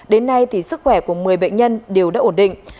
đến nay sức khỏe của một mươi bệnh nhân đều đã ổn định